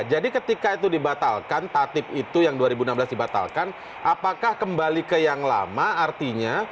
jadi ketika itu dibatalkan tatib itu yang dua ribu enam belas dibatalkan apakah kembali ke yang lama artinya